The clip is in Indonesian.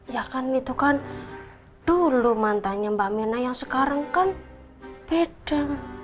ya kan itu kan dulu mantannya mbak mena yang sekarang kan beda